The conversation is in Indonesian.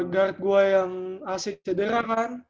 guard gue yang asik cederangan